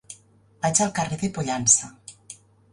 Vaig al carrer de Pollença.